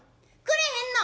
くれへんの？